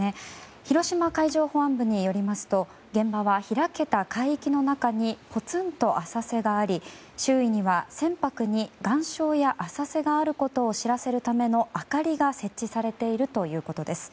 広島海上保安部によりますと現場は、開けた海域の中にぽつんと浅瀬があり周囲には船舶に岩礁や浅瀬があることを知らせるための明かりが設置されているということです。